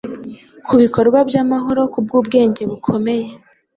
Kubikorwa byamahoro, kubwubwenge bukomeye,